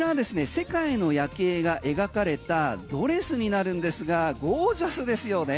世界の夜景が描かれたドレスになるんですがゴージャスですよね。